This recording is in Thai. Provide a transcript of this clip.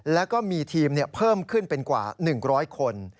แล้วก็มีทีมเพิ่มขึ้นเป็นกว่า๑๐๐คน